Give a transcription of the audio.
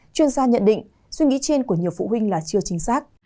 chuyên gia nhận định suy nghĩ trên của nhiều phụ huynh là chưa chính xác